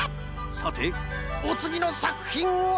さておつぎのさくひんは。